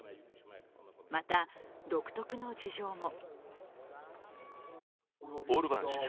また、独特の事情も。